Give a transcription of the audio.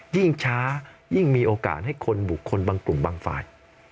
ยิ่งช้ายิ่งมีโอกาสให้คนบุคคลบางกลุ่มบางฝ่าย